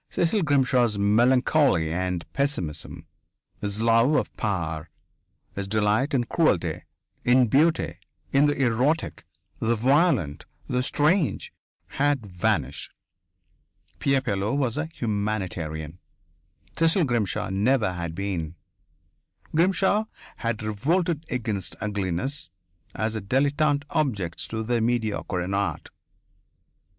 Cecil Grimshaw's melancholy and pessimism, his love of power, his delight in cruelty, in beauty, in the erotic, the violent, the strange, had vanished! Pierre Pilleux was a humanitarian. Cecil Grimshaw never had been. Grimshaw had revolted against ugliness as a dilettante objects to the mediocre in art.